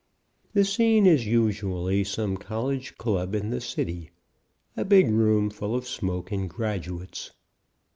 The scene is usually some college club in the city a big room full of smoke and graduates.